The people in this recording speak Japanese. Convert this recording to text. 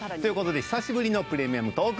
久しぶりの「プレミアムトーク」